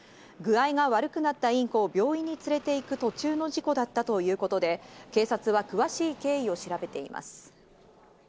具合が悪くなったインコを病院に連れて行く途中の事故だったということで警察は詳しい経緯を調べています。